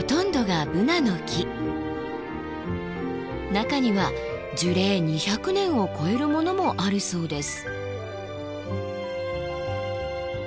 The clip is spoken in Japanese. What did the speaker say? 中には樹齢２００年を超えるものもあるそうです。